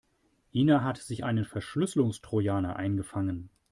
Ina hat sich einen Verschlüsselungstrojaner eingefangen.